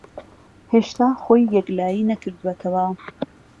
ھێشتا خۆی یەکلایی نەکردووەتەوە.